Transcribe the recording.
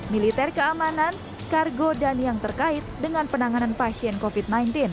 militer keamanan kargo dan yang terkait dengan penanganan pasien covid sembilan belas